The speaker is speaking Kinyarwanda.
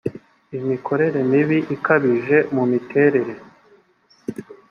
imikorere mibi ikabije mu miterere